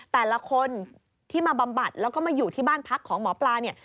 แต่ละคนที่มาบำบัดแล้วก็มาอยู่ที่บ้านพักของหมอปลาเนี่ย